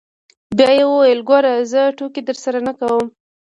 بيا يې وويل ګوره زه ټوکې درسره نه کوم.